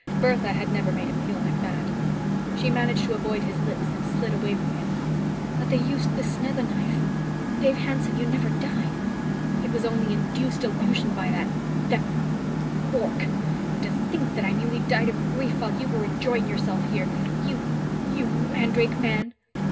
Bertha had never made him feel like that. She managed to avoid his lips and slid away from him. "But they used the snetha knife! Dave Hanson, you never died! It was only induced illusion by that that Bork! And to think that I nearly died of grief while you were enjoying yourself here! You ... you mandrake man!"